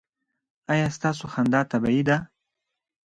ایا ستاسو خندا طبیعي ده؟